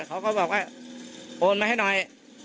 เขาก็บอกว่าโอนมาให้หน่อย